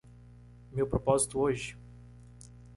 Meu propósito hoje